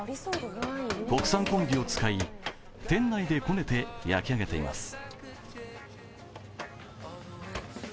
国産小麦を使い、店内でこねて焼き上げています。